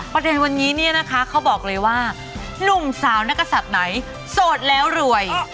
ประเด็นวันนี้เนี่ยนะคะเขาบอกเลยว่าหนุ่มสาวนักศัตริย์ไหนโสดแล้วรวย